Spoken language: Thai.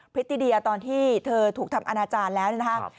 พริตติเดียตอนที่เธอถูกทำอนาจารย์แล้วนะครับ